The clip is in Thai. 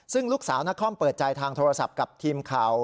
ซึ่งลูกสาวนครเปิดใจทางโทรศัพท์กับทีมข่าว